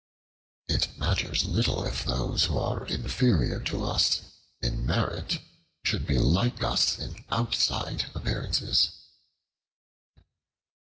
It matters little if those who are inferior to us in merit should be like us in outside appearances.